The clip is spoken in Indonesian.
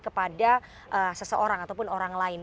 kepada seseorang ataupun orang lain